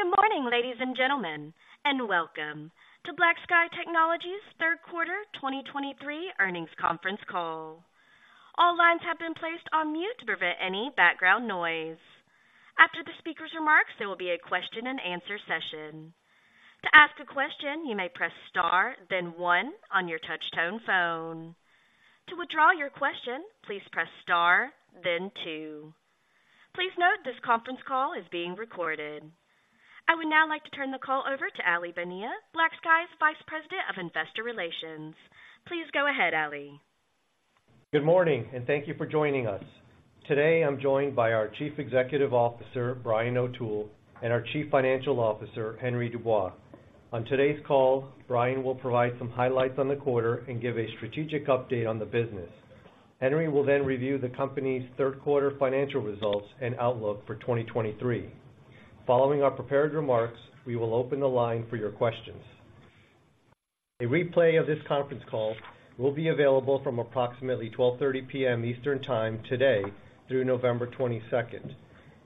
Good morning, ladies and gentlemen, and welcome to BlackSky Technology's Third Quarter 2023 Earnings Conference Call. All lines have been placed on mute to prevent any background noise. After the speaker's remarks, there will be a question-and-answer session. To ask a question, you may press star, then one on your touchtone phone. To withdraw your question, please press star, then two. Please note this conference call is being recorded. I would now like to turn the call over to Aly Bonilla, BlackSky's Vice President of Investor Relations. Please go ahead, Aly. Good morning, and thank you for joining us. Today, I'm joined by our Chief Executive Officer, Brian O'Toole, and our Chief Financial Officer, Henry Dubois. On today's call, Brian will provide some highlights on the quarter and give a strategic update on the business. Henry will then review the company's third quarter financial results and outlook for 2023. Following our prepared remarks, we will open the line for your questions. A replay of this conference call will be available from approximately 12:30 P.M. Eastern Time today through November 22.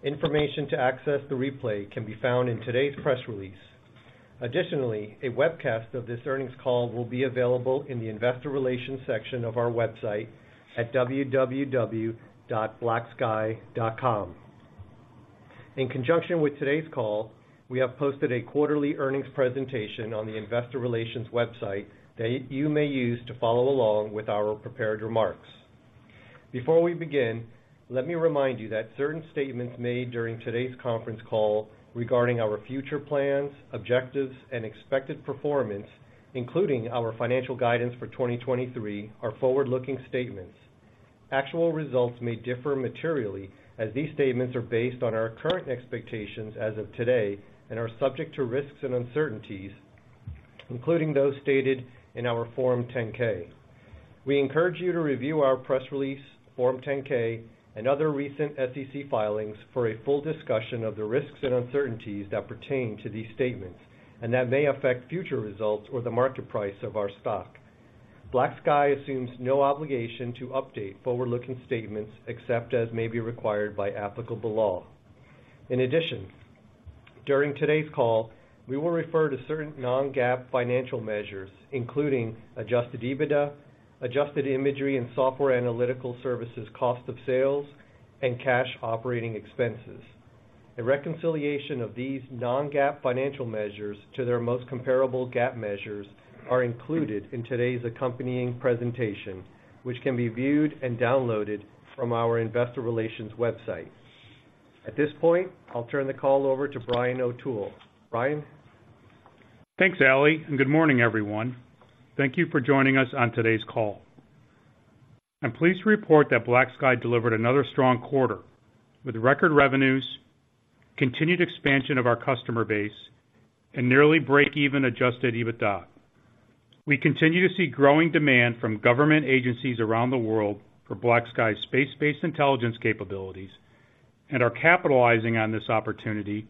Information to access the replay can be found in today's press release. Additionally, a webcast of this earnings call will be available in the Investor Relations section of our website at www.blacksky.com. In conjunction with today's call, we have posted a quarterly earnings presentation on the investor relations website that you may use to follow along with our prepared remarks. Before we begin, let me remind you that certain statements made during today's conference call regarding our future plans, objectives, and expected performance, including our financial guidance for 2023, are forward-looking statements. Actual results may differ materially as these statements are based on our current expectations as of today and are subject to risks and uncertainties, including those stated in our Form 10-K. We encourage you to review our press release, Form 10-K, and other recent SEC filings for a full discussion of the risks and uncertainties that pertain to these statements and that may affect future results or the market price of our stock. BlackSky assumes no obligation to update forward-looking statements except as may be required by applicable law. In addition, during today's call, we will refer to certain non-GAAP financial measures, including Adjusted EBITDA, adjusted imagery and software analytical services, cost of sales, and cash operating expenses. A reconciliation of these non-GAAP financial measures to their most comparable GAAP measures are included in today's accompanying presentation, which can be viewed and downloaded from our investor relations website. At this point, I'll turn the call over to Brian O'Toole. Brian? Thanks, Aly, and good morning, everyone. Thank you for joining us on today's call. I'm pleased to report that BlackSky delivered another strong quarter with record revenues, continued expansion of our customer base, and nearly break-even Adjusted EBITDA. We continue to see growing demand from government agencies around the world for BlackSky's space-based intelligence capabilities and are capitalizing on this opportunity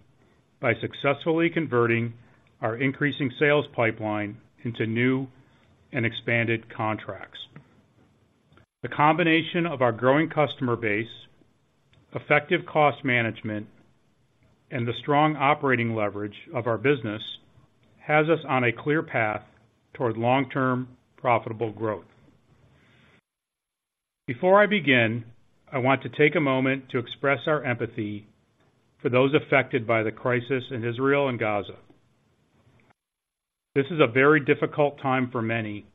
by successfully converting our increasing sales pipeline into new and expanded contracts. The combination of our growing customer base, effective cost management, and the strong operating leverage of our business has us on a clear path toward long-term, profitable growth. Before I begin, I want to take a moment to express our empathy for those affected by the crisis in Israel and Gaza. This is a very difficult time for many,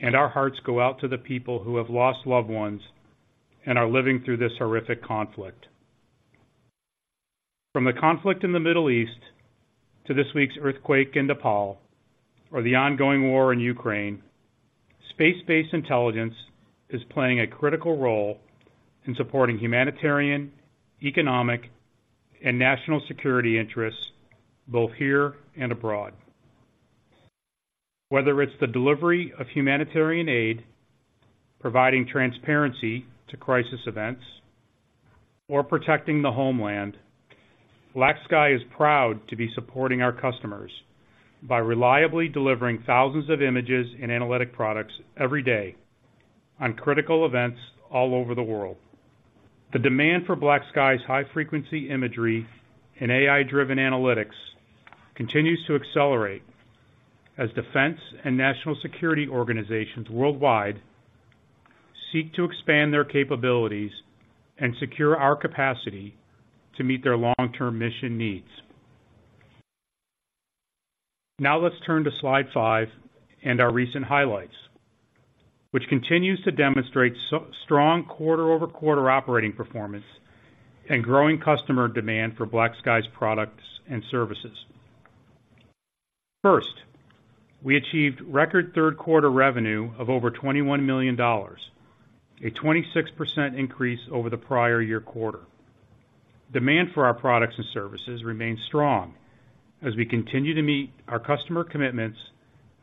and our hearts go out to the people who have lost loved ones and are living through this horrific conflict. From the conflict in the Middle East to this week's earthquake in Nepal or the ongoing war in Ukraine, space-based intelligence is playing a critical role in supporting humanitarian, economic, and national security interests, both here and abroad. Whether it's the delivery of humanitarian aid, providing transparency to crisis events, or protecting the homeland, BlackSky is proud to be supporting our customers by reliably delivering thousands of images and analytic products every day on critical events all over the world. The demand for BlackSky's high-frequency imagery and AI-driven analytics continues to accelerate as defense and national security organizations worldwide seek to expand their capabilities and secure our capacity to meet their long-term mission needs. Now, let's turn to slide five and our recent highlights, which continues to demonstrate strong quarter-over-quarter operating performance and growing customer demand for BlackSky's products and services. First, we achieved record third quarter revenue of over $21 million, a 26% increase over the prior year quarter. Demand for our products and services remains strong as we continue to meet our customer commitments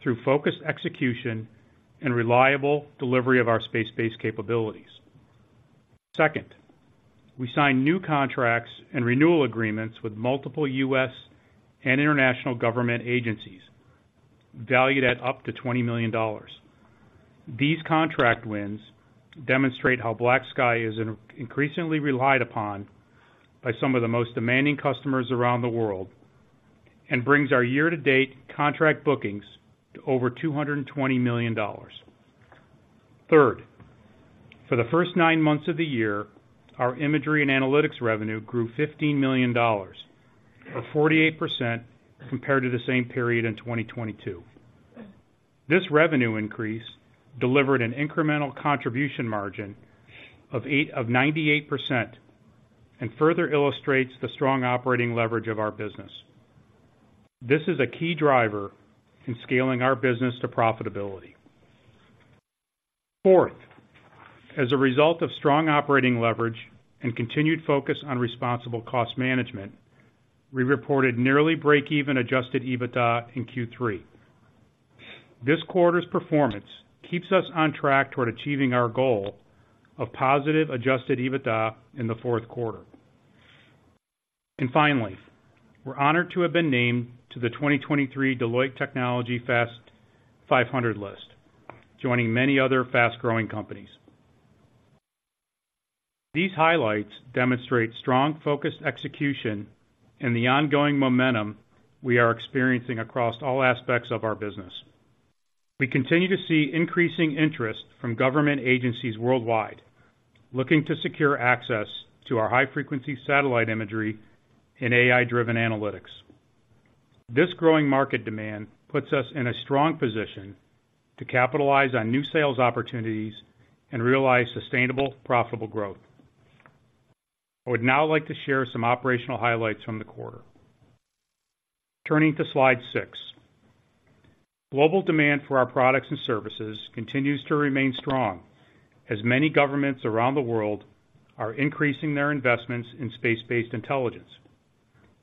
through focused execution and reliable delivery of our space-based capabilities. Second, we signed new contracts and renewal agreements with multiple US and international government agencies valued at up to $20 million. These contract wins demonstrate how BlackSky is increasingly relied upon by some of the most demanding customers around the world, and brings our year-to-date contract bookings to over $220 million. Third, for the first nine months of the year, our imagery and analytics revenue grew $15 million, or 48% compared to the same period in 2022. This revenue increase delivered an incremental contribution margin of 98%, and further illustrates the strong operating leverage of our business. This is a key driver in scaling our business to profitability. Fourth, as a result of strong operating leverage and continued focus on responsible cost management, we reported nearly break-even adjusted EBITDA in Q3. This quarter's performance keeps us on track toward achieving our goal of positive adjusted EBITDA in the fourth quarter. And finally, we're honored to have been named to the 2023 Deloitte Technology Fast 500 list, joining many other fast-growing companies. These highlights demonstrate strong, focused execution and the ongoing momentum we are experiencing across all aspects of our business. We continue to see increasing interest from government agencies worldwide, looking to secure access to our high-frequency satellite imagery and AI-driven analytics. This growing market demand puts us in a strong position to capitalize on new sales opportunities and realize sustainable, profitable growth. I would now like to share some operational highlights from the quarter. Turning to slide six. Global demand for our products and services continues to remain strong, as many governments around the world are increasing their investments in space-based intelligence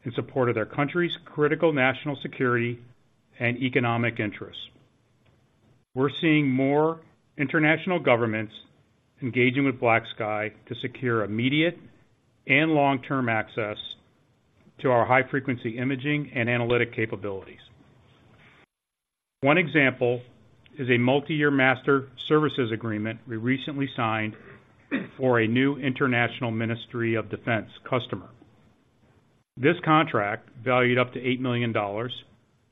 in support of their country's critical national security and economic interests. We're seeing more international governments engaging with BlackSky to secure immediate and long-term access to our high-frequency imaging and analytic capabilities. One example is a multiyear master services agreement we recently signed for a new international Ministry of Defense customer. This contract, valued up to $8 million,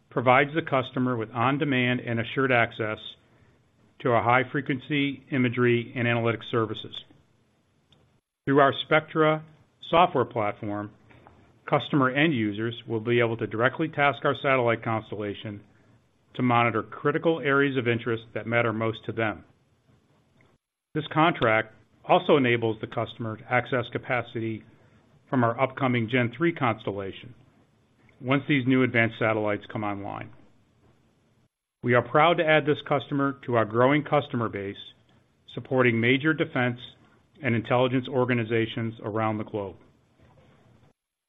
provides the customer with on-demand and assured access to our high-frequency imagery and analytics services. Through our Spectra software platform, customer end users will be able to directly task our satellite constellation to monitor critical areas of interest that matter most to them. This contract also enables the customer to access capacity from our upcoming Gen-3 constellation once these new advanced satellites come online. We are proud to add this customer to our growing customer base, supporting major defense and intelligence organizations around the globe.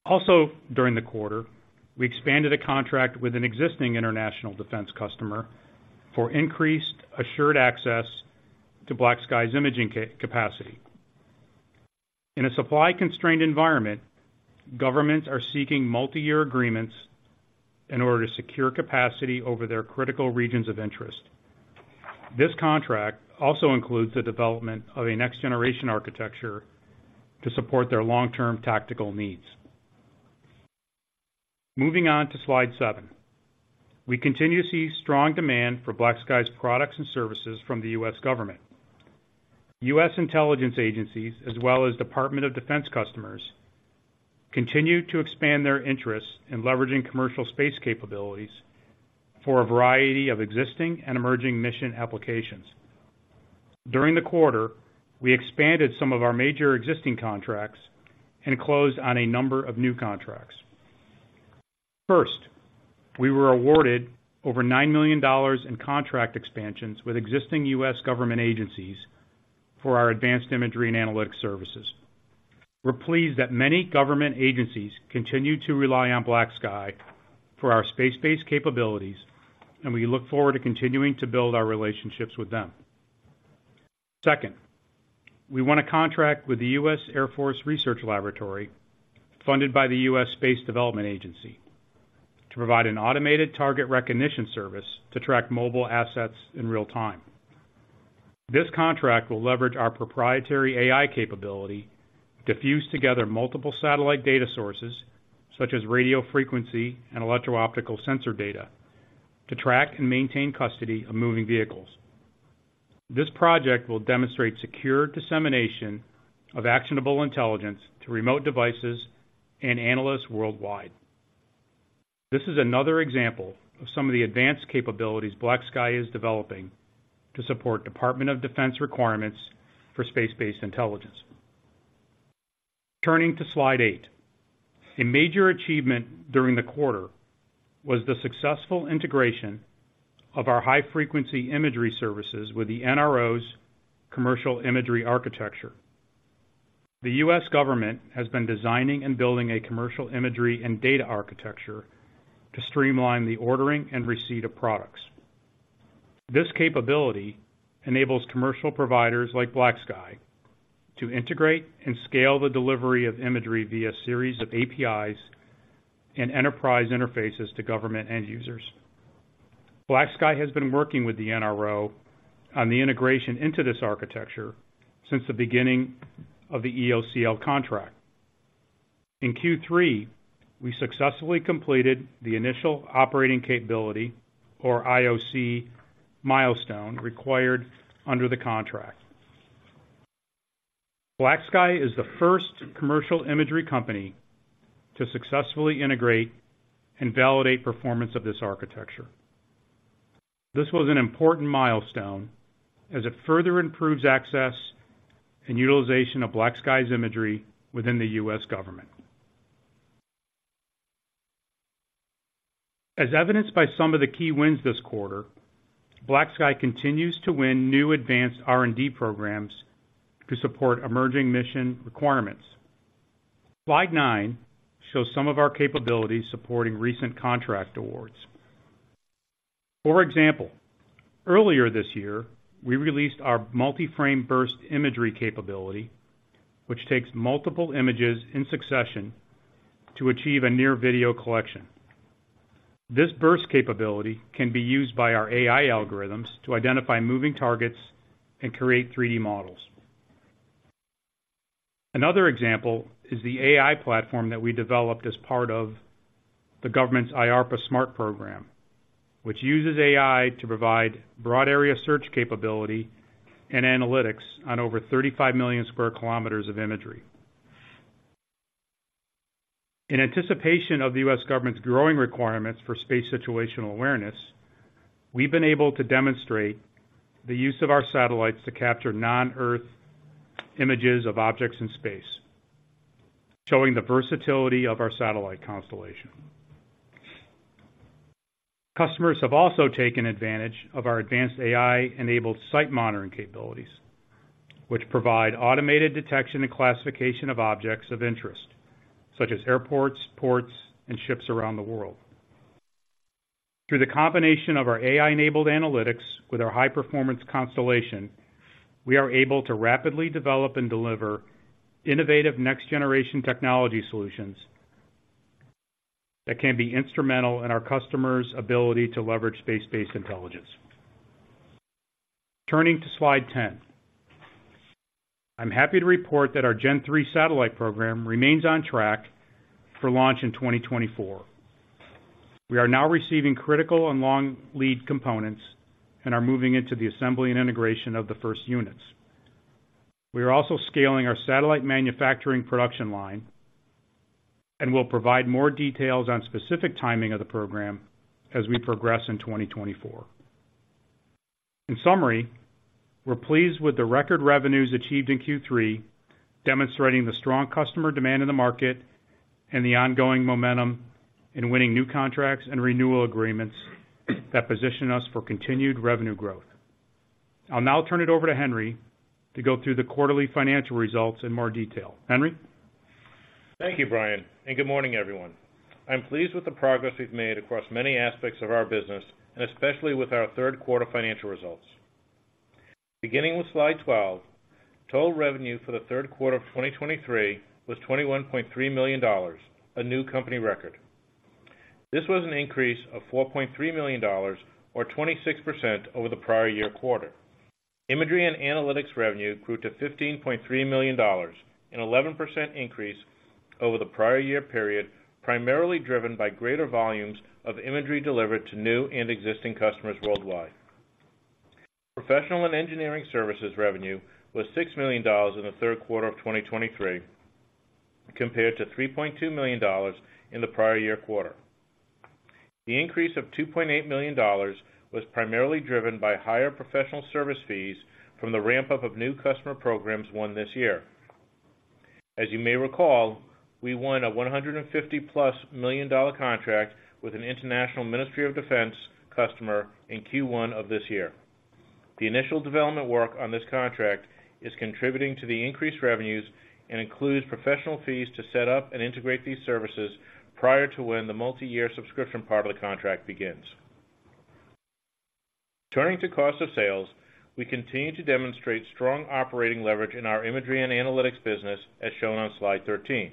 Also, during the quarter, we expanded a contract with an existing international defense customer for increased assured access to BlackSky's imaging capacity. In a supply-constrained environment, governments are seeking multiyear agreements in order to secure capacity over their critical regions of interest. This contract also includes the development of a next-generation architecture to support their long-term tactical needs. Moving on to slide seven. We continue to see strong demand for BlackSky's products and services from the US government. US intelligence agencies, as well as Department of Defense customers, continue to expand their interests in leveraging commercial space capabilities for a variety of existing and emerging mission applications. During the quarter, we expanded some of our major existing contracts and closed on a number of new contracts. First, we were awarded over $9 million in contract expansions with existing US government agencies for our advanced imagery and analytics services. We're pleased that many government agencies continue to rely on BlackSky for our space-based capabilities, and we look forward to continuing to build our relationships with them. Second, we won a contract with the US Air Force Research Laboratory, funded by the US Space Development Agency, to provide an automated target recognition service to track mobile assets in real time. This contract will leverage our proprietary AI capability to fuse together multiple satellite data sources, such as radio frequency and electro-optical sensor data, to track and maintain custody of moving vehicles. This project will demonstrate secure dissemination of actionable intelligence to remote devices and analysts worldwide. This is another example of some of the advanced capabilities BlackSky is developing to support Department of Defense requirements for space-based intelligence. Turning to slide eight. A major achievement during the quarter was the successful integration of our high-frequency imagery services with the NRO's commercial imagery architecture. The US government has been designing and building a commercial imagery and data architecture to streamline the ordering and receipt of products. This capability enables commercial providers like BlackSky to integrate and scale the delivery of imagery via series of APIs and enterprise interfaces to government end users. BlackSky has been working with the NRO on the integration into this architecture since the beginning of the EOCL contract. In Q3, we successfully completed the initial operating capability, or IOC, milestone required under the contract. BlackSky is the first commercial imagery company to successfully integrate and validate performance of this architecture. This was an important milestone as it further improves access and utilization of BlackSky's imagery within the US government. As evidenced by some of the key wins this quarter, BlackSky continues to win new advanced R&D programs to support emerging mission requirements. Slide nine shows some of our capabilities supporting recent contract awards. For example, earlier this year, we released our multi-frame burst imagery capability, which takes multiple images in succession to achieve a near video collection. This burst capability can be used by our AI algorithms to identify moving targets and create 3D models. Another example is the AI platform that we developed as part of the government's IARPA SMART program, which uses AI to provide broad area search capability and analytics on over 35 million square kilometers of imagery. In anticipation of the U.S. government's growing requirements for space situational awareness, we've been able to demonstrate the use of our satellites to capture non-Earth images of objects in space, showing the versatility of our satellite constellation. Customers have also taken advantage of our advanced AI-enabled site monitoring capabilities, which provide automated detection and classification of objects of interest, such as airports, ports, and ships around the world. Through the combination of our AI-enabled analytics with our high-performance constellation, we are able to rapidly develop and deliver innovative next-generation technology solutions that can be instrumental in our customers' ability to leverage space-based intelligence. Turning to slide 10, I'm happy to report that our Gen-3 satellite program remains on track for launch in 2024. We are now receiving critical and long lead components and are moving into the assembly and integration of the first units. We are also scaling our satellite manufacturing production line, and we'll provide more details on specific timing of the program as we progress in 2024. In summary, we're pleased with the record revenues achieved in Q3, demonstrating the strong customer demand in the market and the ongoing momentum in winning new contracts and renewal agreements that position us for continued revenue growth. I'll now turn it over to Henry to go through the quarterly financial results in more detail. Henry? Thank you, Brian, and good morning, everyone. I'm pleased with the progress we've made across many aspects of our business, and especially with our third quarter financial results. Beginning with Slide 12, total revenue for the third quarter of 2023 was $21.3 million, a new company record. This was an increase of $4.3 million or 26% over the prior year quarter. Imagery and analytics revenue grew to $15.3 million, an 11% increase over the prior year period, primarily driven by greater volumes of imagery delivered to new and existing customers worldwide. Professional and engineering services revenue was $6 million in the third quarter of 2023, compared to $3.2 million in the prior year quarter. The increase of $2.8 million was primarily driven by higher professional service fees from the ramp-up of new customer programs won this year. As you may recall, we won a $150+ million contract with an international Ministry of Defense customer in Q1 of this year. The initial development work on this contract is contributing to the increased revenues and includes professional fees to set up and integrate these services prior to when the multi-year subscription part of the contract begins. Turning to cost of sales, we continue to demonstrate strong operating leverage in our imagery and analytics business, as shown on Slide 13.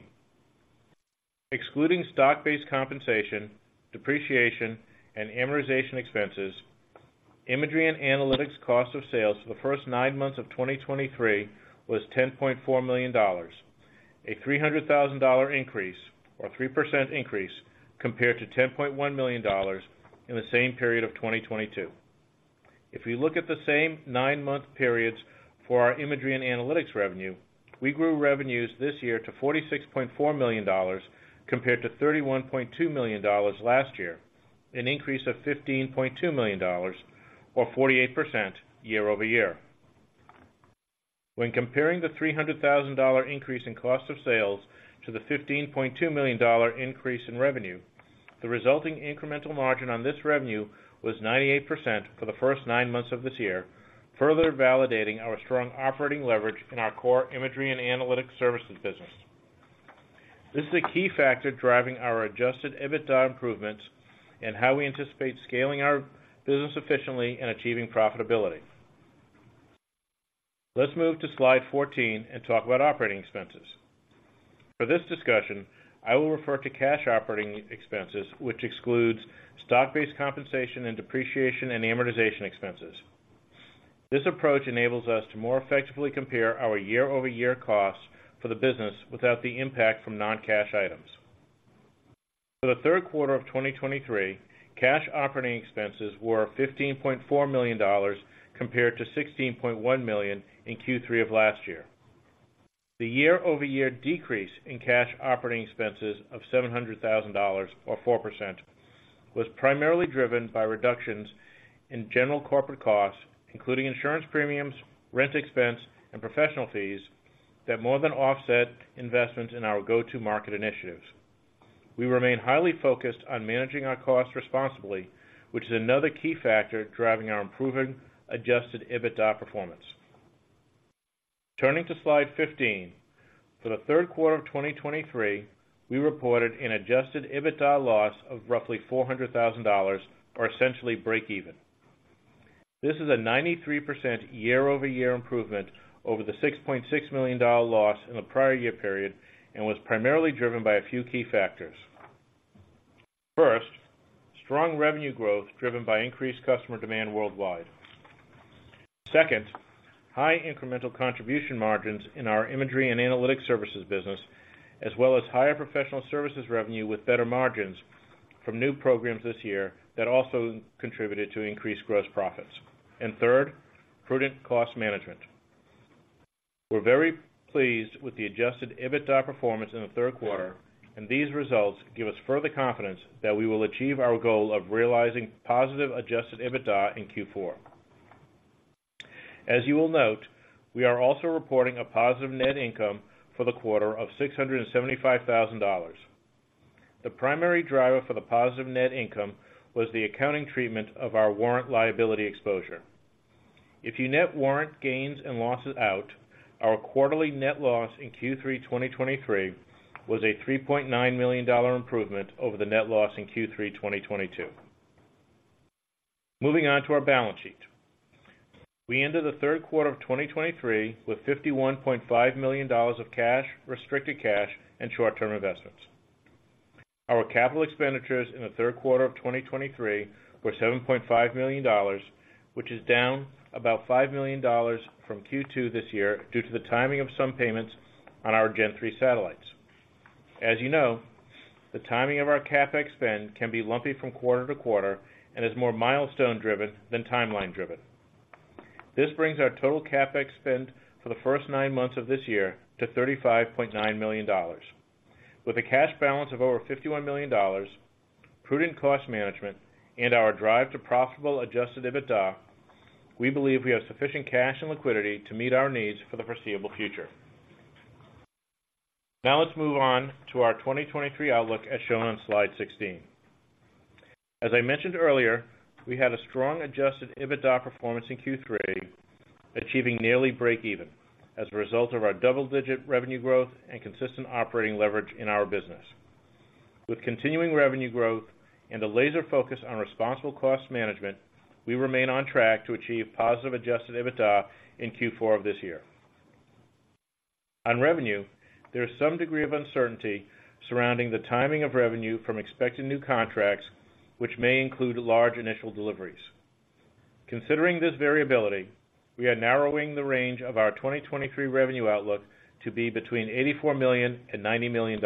Excluding stock-based compensation, depreciation, and amortization expenses, imagery and analytics cost of sales for the first nine months of 2023 was $10.4 million, a $300,000 increase or 3% increase compared to $10.1 million in the same period of 2022. If you look at the same nine-month periods for our imagery and analytics revenue, we grew revenues this year to $46.4 million, compared to $31.2 million last year, an increase of $15.2 million, or 48% year-over-year. When comparing the $300,000 increase in cost of sales to the $15.2 million increase in revenue, the resulting incremental margin on this revenue was 98% for the first nine months of this year, further validating our strong operating leverage in our core imagery and analytics services business. This is a key factor driving our Adjusted EBITDA improvements and how we anticipate scaling our business efficiently and achieving profitability. Let's move to slide 14 and talk about operating expenses. For this discussion, I will refer to cash operating expenses, which excludes stock-based compensation and depreciation, and amortization expenses. This approach enables us to more effectively compare our year-over-year costs for the business without the impact from non-cash items. For the third quarter of 2023, cash operating expenses were $15.4 million, compared to $16.1 million in Q3 of last year. The year-over-year decrease in cash operating expenses of $700 thousand, or 4%, was primarily driven by reductions in general corporate costs, including insurance premiums, rent expense, and professional fees that more than offset investments in our go-to-market initiatives. We remain highly focused on managing our costs responsibly, which is another key factor driving our improving Adjusted EBITDA performance. Turning to slide 15, for the third quarter of 2023, we reported an Adjusted EBITDA loss of roughly $400 thousand or essentially breakeven. This is a 93% year-over-year improvement over the $6.6 million loss in the prior year period, and was primarily driven by a few key factors. First, strong revenue growth, driven by increased customer demand worldwide. Second, high incremental contribution margins in our imagery and analytics services business, as well as higher professional services revenue with better margins from new programs this year that also contributed to increased gross profits. And third, prudent cost management. We're very pleased with the Adjusted EBITDA performance in the third quarter, and these results give us further confidence that we will achieve our goal of realizing positive Adjusted EBITDA in Q4. As you will note, we are also reporting a positive net income for the quarter of $675,000. The primary driver for the positive net income was the accounting treatment of our warrant liability exposure. If you net warrant gains and losses out, our quarterly net loss in Q3 2023 was a $3.9 million improvement over the net loss in Q3 2022. Moving on to our balance sheet. We ended the third quarter of 2023 with $51.5 million of cash, restricted cash, and short-term investments. Our capital expenditures in the third quarter of 2023 were $7.5 million, which is down about $5 million from Q2 this year due to the timing of some payments on our Gen-3 satellites. As you know, the timing of our CapEx spend can be lumpy from quarter-to-quarter and is more milestone-driven than timeline-driven. This brings our total CapEx spend for the first nine months of this year to $35.9 million. With a cash balance of over $51 million, prudent cost management, and our drive to profitable Adjusted EBITDA, we believe we have sufficient cash and liquidity to meet our needs for the foreseeable future. Now, let's move on to our 2023 outlook, as shown on slide 16. As I mentioned earlier, we had a strong Adjusted EBITDA performance in Q3, achieving nearly breakeven as a result of our double-digit revenue growth and consistent operating leverage in our business. With continuing revenue growth and a laser focus on responsible cost management, we remain on track to achieve positive Adjusted EBITDA in Q4 of this year. On revenue, there is some degree of uncertainty surrounding the timing of revenue from expected new contracts, which may include large initial deliveries. Considering this variability, we are narrowing the range of our 2023 revenue outlook to be between $84 million to $90 million.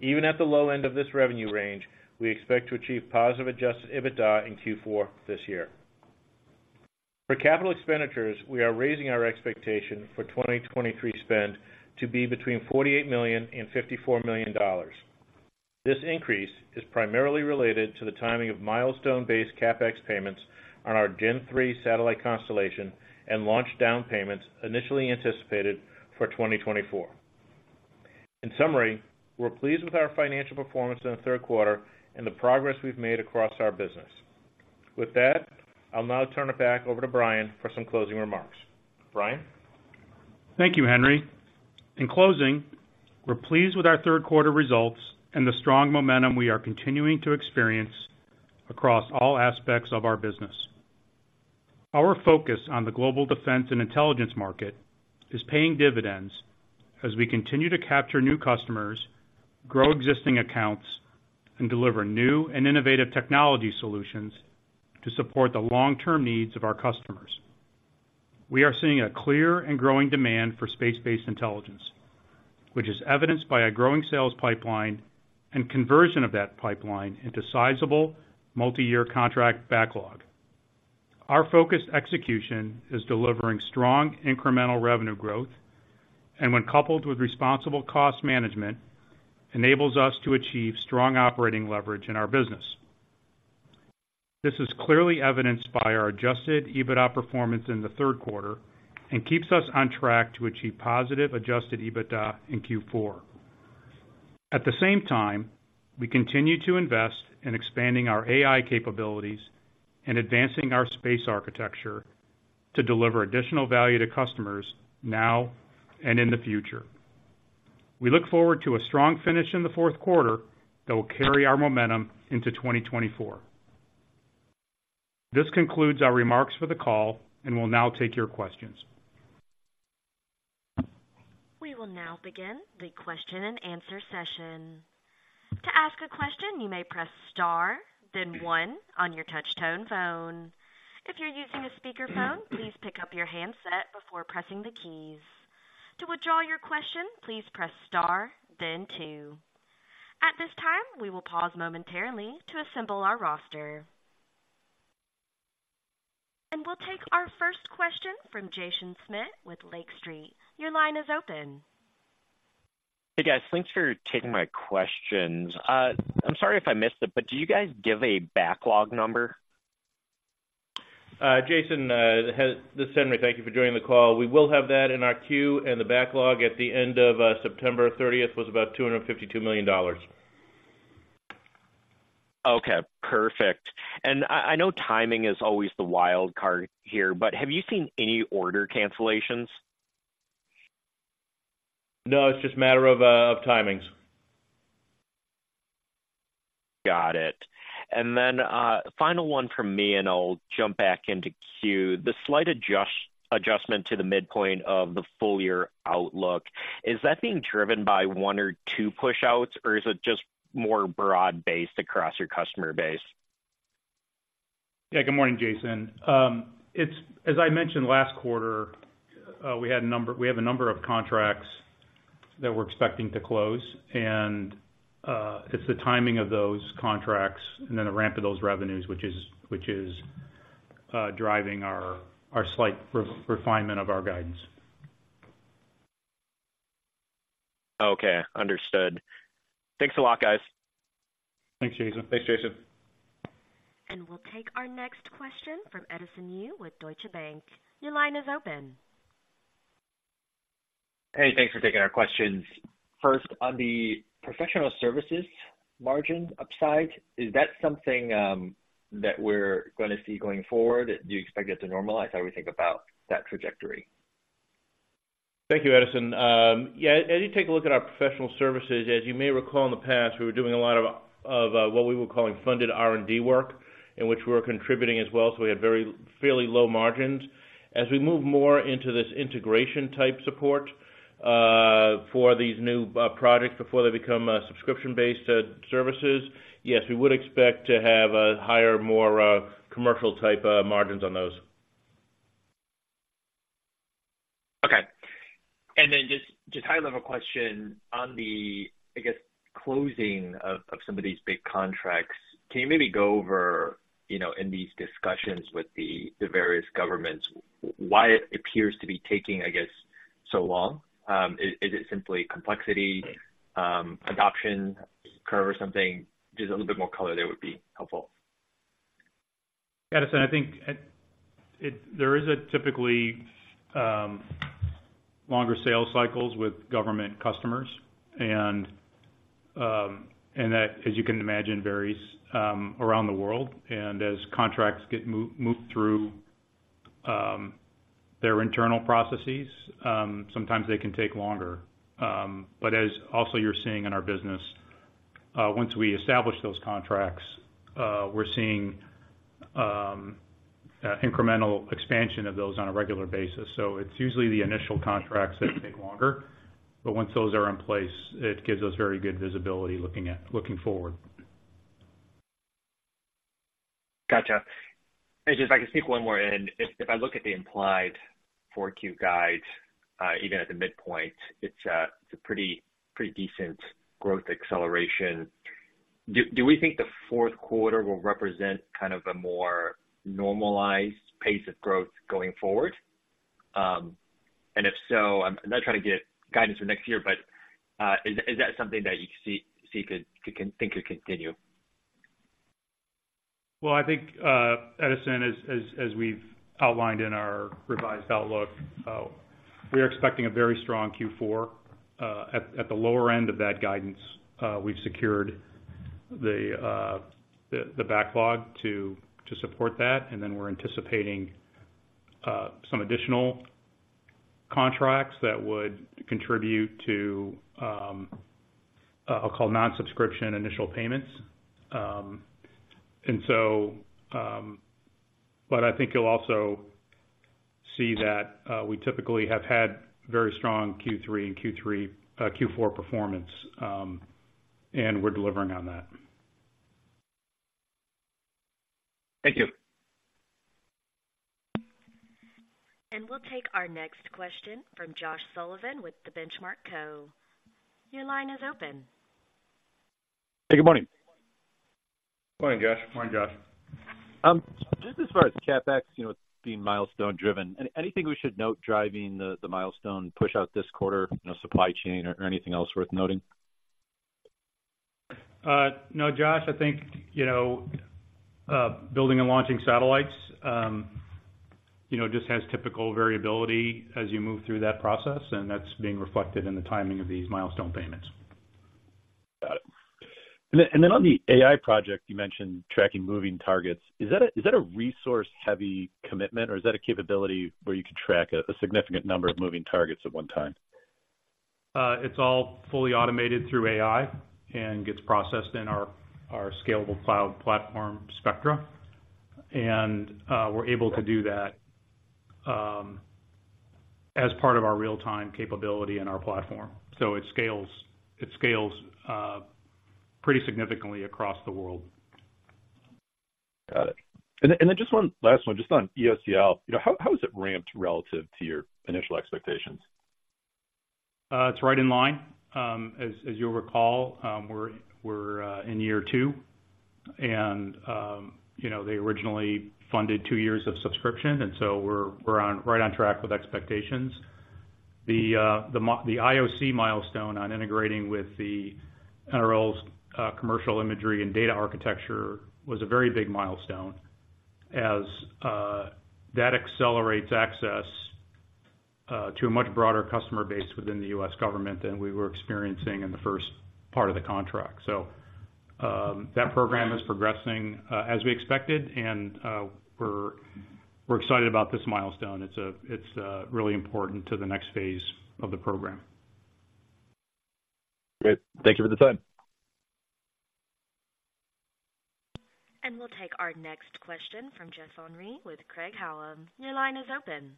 Even at the low end of this revenue range, we expect to achieve positive Adjusted EBITDA in Q4 this year. For capital expenditures, we are raising our expectation for 2023 spend to be between $48 million and $54 million. This increase is primarily related to the timing of milestone-based CapEx payments on our Gen-3 satellite constellation and launch down payments initially anticipated for 2024. In summary, we're pleased with our financial performance in the third quarter and the progress we've made across our business. With that, I'll now turn it back over to Brian for some closing remarks. Brian? Thank you, Henry. In closing, we're pleased with our third quarter results and the strong momentum we are continuing to experience across all aspects of our business. Our focus on the global defense and intelligence market is paying dividends as we continue to capture new customers, grow existing accounts, and deliver new and innovative technology solutions to support the long-term needs of our customers. We are seeing a clear and growing demand for space-based intelligence, which is evidenced by a growing sales pipeline and conversion of that pipeline into sizable multiyear contract backlog. Our focused execution is delivering strong incremental revenue growth, and when coupled with responsible cost management, enables us to achieve strong operating leverage in our business. This is clearly evidenced by our Adjusted EBITDA performance in the third quarter and keeps us on track to achieve positive Adjusted EBITDA in Q4. At the same time, we continue to invest in expanding our AI capabilities and advancing our space architecture to deliver additional value to customers now and in the future. We look forward to a strong finish in the fourth quarter that will carry our momentum into 2024. This concludes our remarks for the call, and we'll now take your questions. We will now begin the question-and-answer session. To ask a question, you may press star, then one on your touchtone phone. If you're using a speakerphone, please pick up your handset before pressing the keys. To withdraw your question, please press star, then two. At this time, we will pause momentarily to assemble our roster. We'll take our first question from Jason Smith with Lake Street. Your line is open. Hey, guys. Thanks for taking my questions. I'm sorry if I missed it, but do you guys give a backlog number? Jason, this is Henry. Thank you for joining the call. We will have that in our queue, and the backlog at the end of September 30th was about $252 million. Okay, perfect. And I, I know timing is always the wild card here, but have you seen any order cancellations? No, it's just a matter of, of timings. Got it. And then, final one from me, and I'll jump back into queue. The slight adjustment to the midpoint of the full year outlook, is that being driven by one or two push outs, or is it just more broad-based across your customer base? Yeah. Good morning, Jason. It's as I mentioned last quarter, we have a number of contracts that we're expecting to close, and it's the timing of those contracts and then the ramp of those revenues, which is driving our slight refinement of our guidance. Okay, understood. Thanks a lot, guys. Thanks, Jason. Thanks, Jason. We'll take our next question from Edison Yu with Deutsche Bank. Your line is open. Hey, thanks for taking our questions. First, on the professional services margin upside, is that something that we're gonna see going forward? Do you expect it to normalize? How do we think about that trajectory? Thank you, Edison. Yeah, as you take a look at our professional services, as you may recall, in the past, we were doing a lot of what we were calling funded R&D work, in which we were contributing as well, so we had very fairly low margins. As we move more into this integration type support, for these new projects before they become subscription-based services, yes, we would expect to have a higher, more commercial type of margins on those. Okay. And then just a high-level question on the, I guess, closing of some of these big contracts. Can you maybe go over, you know, in these discussions with the various governments, why it appears to be taking, I guess, so long? Is it simply complexity, adoption curve or something? Just a little bit more color there would be helpful. Edison, I think, there is typically longer sales cycles with government customers, and, and that, as you can imagine, varies around the world. And as contracts get moved through their internal processes, sometimes they can take longer. But as also you're seeing in our business, once we establish those contracts, we're seeing incremental expansion of those on a regular basis. So it's usually the initial contracts that take longer, but once those are in place, it gives us very good visibility looking at looking forward. Gotcha. And just if I can sneak one more in. If I look at the implied 4Q guide, even at the midpoint, it's a pretty decent growth acceleration. Do we think the fourth quarter will represent kind of a more normalized pace of growth going forward? And if so, I'm not trying to get guidance for next year, but is that something that you see could think could continue? Well, I think, Edison, as we've outlined in our revised outlook, we are expecting a very strong Q4. At the lower end of that guidance, we've secured the backlog to support that, and then we're anticipating some additional contracts that would contribute to, I'll call non-subscription initial payments. And so... But I think you'll also see that we typically have had very strong Q3 and Q4 performance, and we're delivering on that. Thank you. We'll take our next question from Josh Sullivan with The Benchmark Co. Your line is open. Hey, good morning. Morning, Josh. Morning, Josh. Just as far as CapEx, you know, it's being milestone driven. Anything we should note driving the milestone push out this quarter, you know, supply chain or anything else worth noting? No, Josh, I think, you know, building and launching satellites, you know, just has typical variability as you move through that process, and that's being reflected in the timing of these milestone payments. Got it. And then on the AI project, you mentioned tracking moving targets. Is that a resource-heavy commitment, or is that a capability where you can track a significant number of moving targets at one time? It's all fully automated through AI and gets processed in our scalable cloud platform, Spectra. We're able to do that as part of our real-time capability in our platform. It scales pretty significantly across the world. Got it. And then just one last one, just on EOCL, you know, how has it ramped relative to your initial expectations? It's right in line. As you'll recall, we're in year two, and, you know, they originally funded two years of subscription, and so we're right on track with expectations. The IOC milestone on integrating with the NRO's commercial imagery and data architecture was a very big milestone, as that accelerates access to a much broader customer base within the U.S. government than we were experiencing in the first part of the contract. So, that program is progressing as we expected, and we're excited about this milestone. It's really important to the next phase of the program. Great. Thank you for the time. We'll take our next question from Jeff Henry with Craig-Hallum. Your line is open.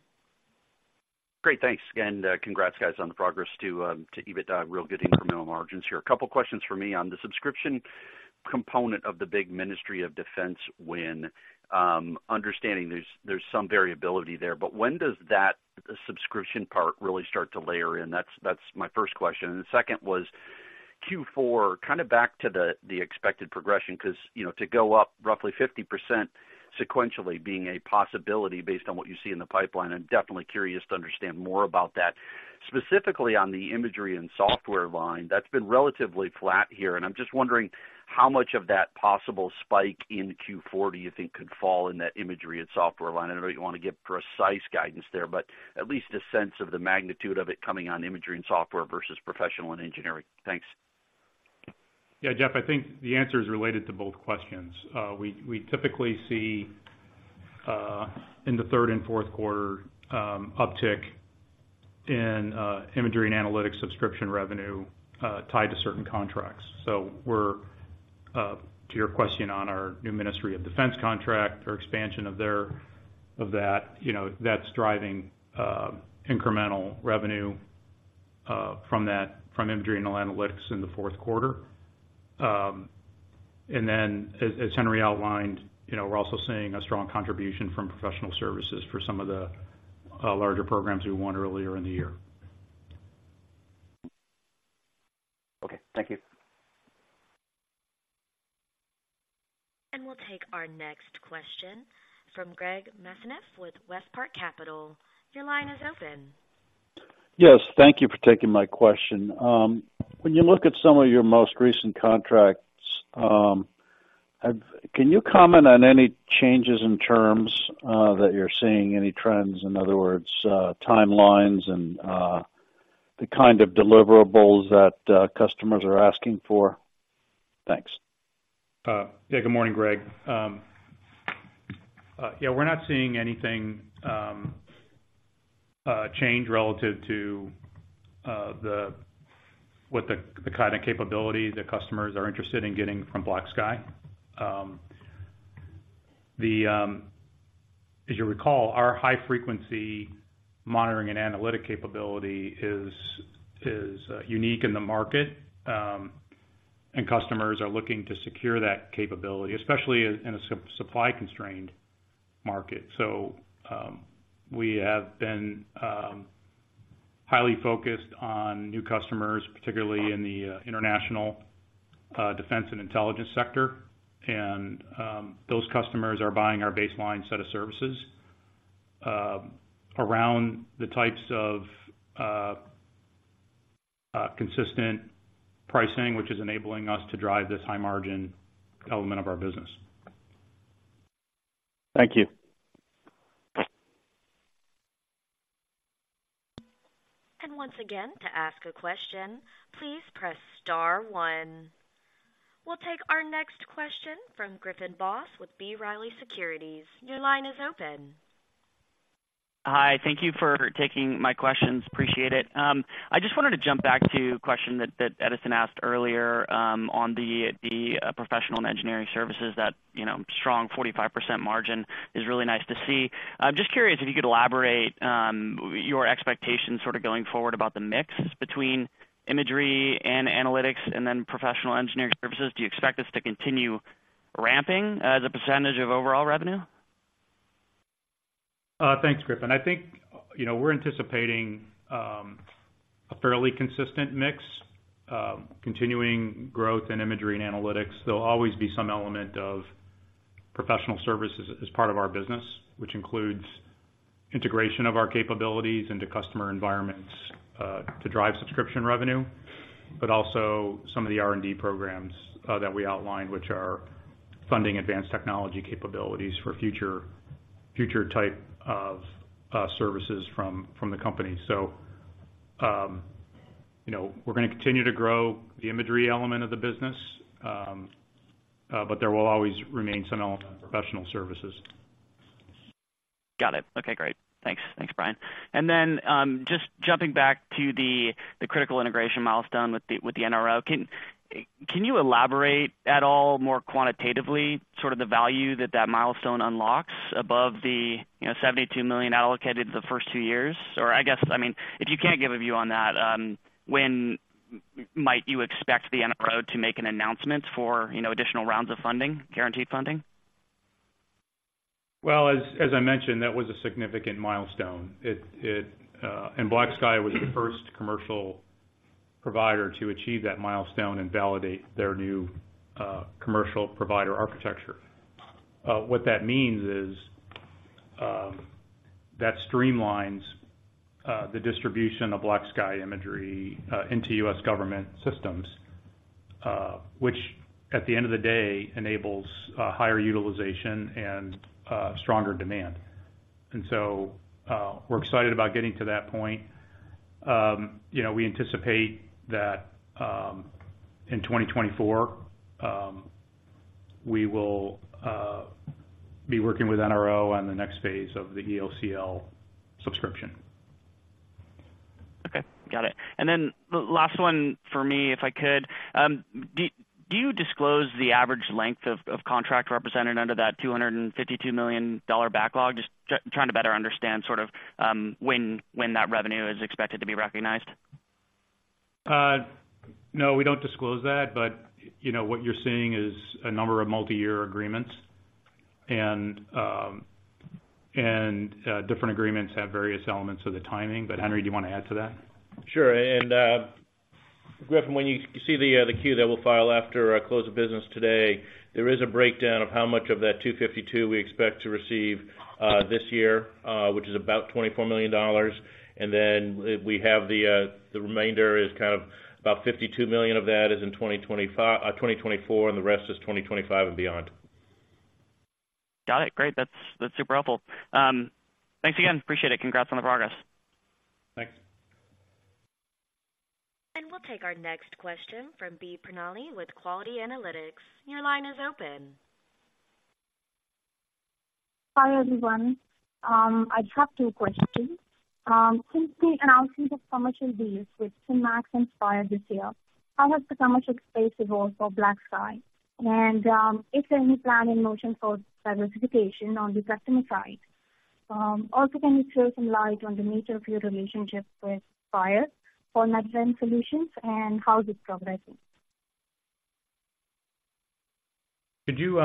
Great, thanks, and congrats, guys, on the progress to EBITDA. Really good incremental margins here. A couple questions for me. On the subscription component of the big Ministry of Defense win, understanding there's, there's some variability there, but when does that subscription part really start to layer in? That's, that's my first question. And the second was Q4, kind of back to the expected progression, 'cause, you know, to go up roughly 50 sequentially being a possibility based on what you see in the pipeline, I'm definitely curious to understand more about that. Specifically on the imagery and software line, that's been relatively flat here, and I'm just wondering how much of that possible spike in Q4, you think, could fall in that imagery and software line? I know you don't want to give precise guidance there, but at least a sense of the magnitude of it coming on imagery and software versus professional and engineering. Thanks. Yeah, Jeff, I think the answer is related to both questions. We typically see in the third and fourth quarter uptick in imagery and analytics subscription revenue tied to certain contracts. So we're to your question on our new Ministry of Defense contract or expansion of their, of that, you know, that's driving incremental revenue from that, from imagery and analytics in the fourth quarter. And then as Henry outlined, you know, we're also seeing a strong contribution from professional services for some of the larger programs we won earlier in the year. Okay. Thank you. We'll take our next question from Greg Mesniaeff with WestPark Capital. Your line is open. Yes, thank you for taking my question. When you look at some of your most recent contracts, can you comment on any changes in terms that you're seeing, any trends, in other words, timelines and the kind of deliverables that customers are asking for? Thanks. Yeah, good morning, Greg. We're not seeing anything change relative to the kind of capability that customers are interested in getting from BlackSky. As you recall, our high-frequency monitoring and analytic capability is unique in the market, and customers are looking to secure that capability, especially in a supply constrained market. So, we have been highly focused on new customers, particularly in the international defense and intelligence sector, and those customers are buying our baseline set of services around the types of consistent pricing, which is enabling us to drive this high-margin element of our business. Thank you. Once again, to ask a question, please press star one. We'll take our next question from Griffin Boss with B. Riley Securities. Your line is open. Hi, thank you for taking my questions. Appreciate it. I just wanted to jump back to a question that Edison asked earlier, on the professional and engineering services that, you know, strong 45% margin is really nice to see. I'm just curious if you could elaborate, your expectations sort of going forward about the mix between imagery and analytics and then professional engineering services. Do you expect this to continue ramping as a percentage of overall revenue? Thanks, Griffin. I think, you know, we're anticipating a fairly consistent mix, continuing growth in imagery and analytics. There'll always be some element of professional services as part of our business, which includes integration of our capabilities into customer environments to drive subscription revenue, but also some of the R&D programs that we outlined, which are funding advanced technology capabilities for future type of services from the company. So, you know, we're gonna continue to grow the imagery element of the business, but there will always remain some element of professional services. Got it. Okay, great. Thanks. Thanks, Brian. And then, just jumping back to the critical integration milestone with the NRO. Can you elaborate at all more quantitatively, sort of the value that that milestone unlocks above the, you know, $72 million allocated the first two years? Or I guess, I mean, if you can't give a view on that, when might you expect the NRO to make an announcement for, you know, additional rounds of funding, guaranteed funding? Well, as I mentioned, that was a significant milestone. It and BlackSky was the first commercial provider to achieve that milestone and validate their new commercial provider architecture. What that means is, that streamlines the distribution of BlackSky imagery into U.S. government systems, which, at the end of the day, enables higher utilization and stronger demand. And so, we're excited about getting to that point. You know, we anticipate that, in 2024, we will be working with NRO on the next phase of the EOCL subscription. Okay, got it. And then the last one for me, if I could. Do you disclose the average length of contract represented under that $252 million backlog? Just trying to better understand sort of when that revenue is expected to be recognized. No, we don't disclose that, but you know, what you're seeing is a number of multiyear agreements. Different agreements have various elements of the timing. But, Henry, do you want to add to that? Sure. And, Griffin, when you see the Q that we'll file after our close of business today, there is a breakdown of how much of that $252 million we expect to receive this year, which is about $24 million. And then we have the remainder is kind of about $52 million of that is in 2024, and the rest is 2025 and beyond. Got it. Great. That's, that's super helpful. Thanks again. Appreciate it. Congrats on the progress. Thanks. We'll take our next question from B. Pernali with Quality Analytics. Your line is open. Hi, everyone. I just have two questions. Since the announcement of commercial deals with Maxar and Spire this year, how has the commercial space evolved for BlackSky? And, is there any plan in motion for diversification on the customer side? Also, can you shed some light on the nature of your relationship with Spire for network solutions and how is it progressing? Could you,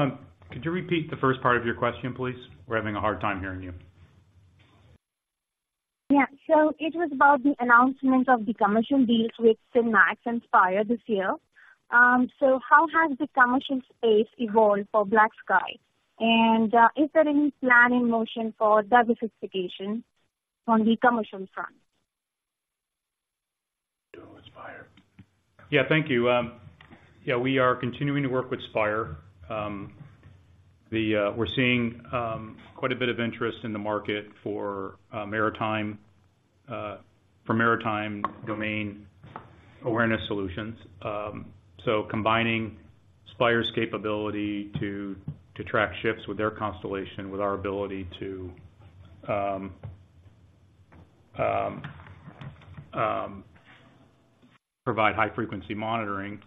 could you repeat the first part of your question, please? We're having a hard time hearing you. Yeah. So it was about the announcement of the commercial deals with Maxar and Spire this year. So how has the commercial space evolved for BlackSky? And, is there any plan in motion for diversification on the commercial front? Yeah, thank you. Yeah, we are continuing to work with Spire. We're seeing quite a bit of interest in the market for maritime domain awareness solutions. So combining Spire's capability to track ships with their constellation, with our ability to provide high frequency monitoring,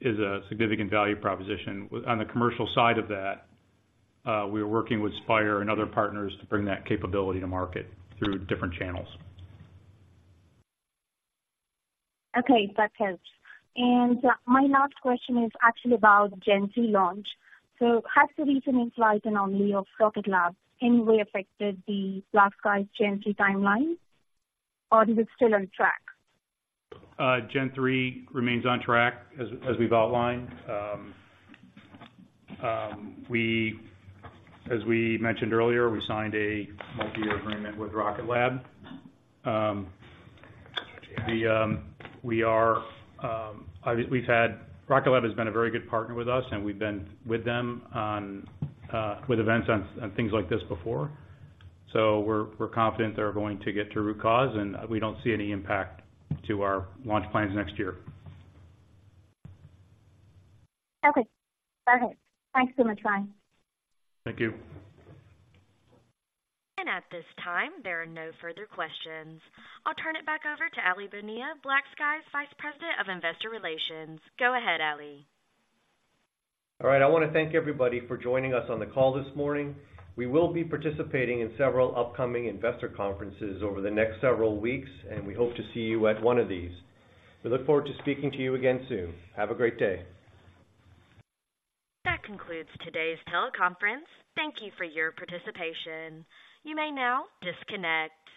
is a significant value proposition. On the commercial side of that, we are working with Spire and other partners to bring that capability to market through different channels. Okay, that helps. And my last question is actually about Gen-3 launch. So has the recent insight on LEO Rocket Lab any way affected the BlackSky Gen-3 timelines, or is it still on track? Gen-3 remains on track, as we've outlined. As we mentioned earlier, we signed a multi-year agreement with Rocket Lab. Rocket Lab has been a very good partner with us, and we've been with them on, with events on things like this before. So we're confident they're going to get to root cause, and we don't see any impact to our launch plans next year. Okay, perfect. Thanks so much, Brian. Thank you. At this time, there are no further questions. I'll turn it back over to Aly Bonilla, BlackSky's Vice President of Investor Relations. Go ahead, Aly. All right. I want to thank everybody for joining us on the call this morning. We will be participating in several upcoming investor conferences over the next several weeks, and we hope to see you at one of these. We look forward to speaking to you again soon. Have a great day. That concludes today's teleconference. Thank you for your participation. You may now disconnect.